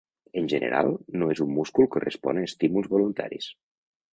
En general, no és un múscul que respon a estímuls voluntaris.